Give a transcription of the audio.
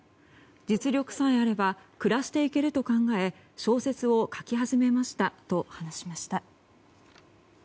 実力さえあれば暮らしていけると考え小説を書き始めましたと話しました。